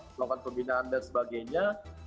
melakukan pembinaan dan sebagainya